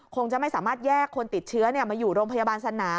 คงจะไม่สามารถแยกคนติดเชื้อมาอยู่โรงพยาบาลสนาม